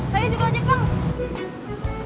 saya juga ojek bang